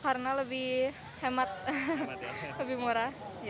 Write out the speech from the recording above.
karena lebih hemat lebih murah